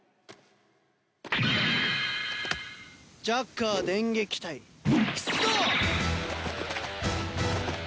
ジャッカー電撃隊出動！